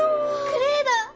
クレーだ！